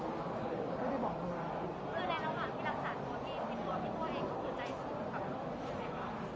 คือในระหว่างที่รักษาตัวที่พี่โต้พี่โต้เองก็คือใจสู้กับพี่โต้